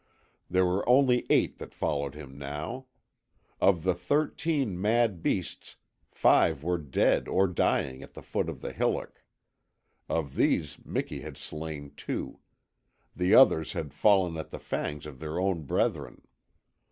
There were only eight that followed him now. Of the thirteen mad beasts five were dead or dying at the foot of the hillock. Of these Miki had slain two. The others had fallen at the fangs of their own brethren.